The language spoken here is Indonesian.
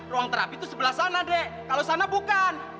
ruang terapi itu sebelah sana dek kalau sana bukan